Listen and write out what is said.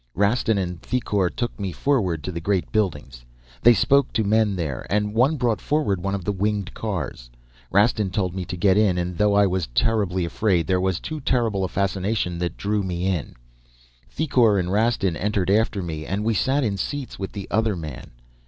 "Rastin and Thicourt took me forward to the great buildings. They spoke to men there and one brought forward one of the winged cars. Rastin told me to get in, and though I was terribly afraid, there was too terrible a fascination that drew me in. Thicourt and Rastin entered after me, and we sat in seats with the other man.